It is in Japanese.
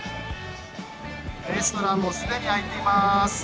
レストランもすでに開いています。